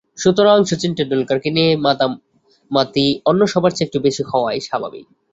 সুতরাং শচীন টেন্ডুলকারকে নিয়ে মাতামাতি অন্য সবার চেয়ে একটু বেশি হওয়াই স্বাভাবিক।